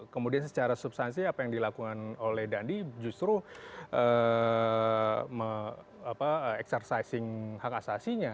kemudian secara substansi apa yang dilakukan oleh dandi justru exercising hak asasinya